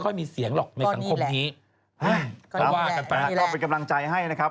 ก็เป็นกำลังใจให้นะครับ